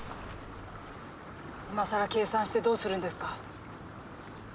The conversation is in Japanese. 今更計算してどうするんですか？